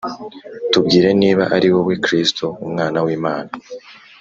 tubwire niba ari wowe Kristo, Umwana w’Imana